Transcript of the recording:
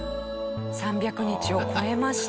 ３００日を超えました。